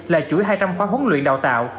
là chuỗi hai trăm linh khóa huấn luyện đào tạo